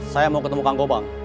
saya mau ketemu kang kobang